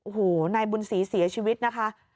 โอ้โหนายบุญศรีเสียชีวิตนะคะ